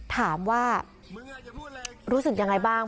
ถามว่ารู้สึกยังไงบ้าง